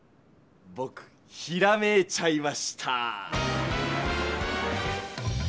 ぼくひらめいちゃいました！